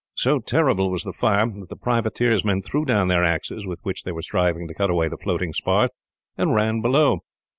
So terrible was the fire, that the privateer's men threw down the axes with which they were striving to cut away the floating spars, and ran below.